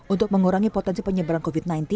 untuk mengurangi potensi penyebaran covid sembilan belas